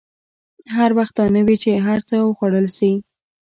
هر وخت دا نه وي چې هر څه وخوړل شي.